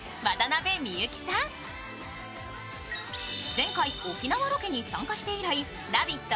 前回、沖縄ロケに参加して以来「ラヴィット！」